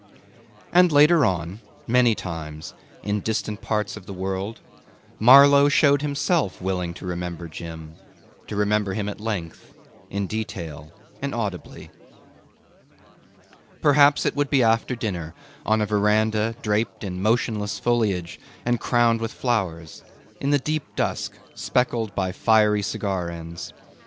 And later on, many times, in distant parts of the world, Marlow showed himself willing to remember Jim, to remember him at length, in detail and audibly. Perhaps it would be after dinner, on a verandah draped in motionless foliage and crowned with flowers, in the deep dusk speckled by fiery cigar ends.